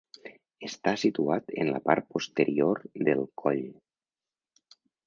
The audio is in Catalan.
Està situat en la part posterior del coll.